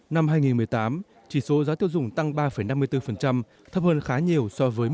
năm hai nghìn một mươi tám chỉ số giá tiêu dùng tăng ba năm mươi bốn thấp hơn khá nhiều so với một